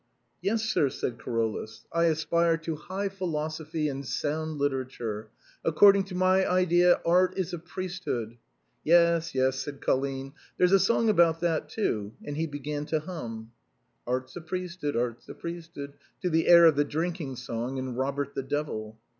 "Yes, sir," said Carolus; "I aspire to high philosophy and sound literature. According to my idea, art is a priesthood —"" Yes, yes," said Colline ;" there's a song about that, too ;" and he began to hum " Art's a priesthood : art's a priesthood," to the air of the drinking song in " Robert ihe Devil."